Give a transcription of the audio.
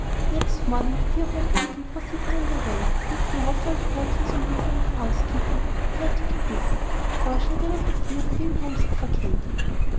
Next morning the dear home people proceeded on their way, and Clover fell to work resolutely on her housekeeping, glad to keep busy, for she had a little fear of being homesick for Katy.